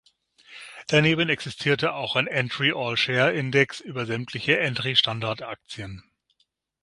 Daneben existierte auch ein "Entry-All-Share"-Index über sämtliche Entry-Standard-Aktien.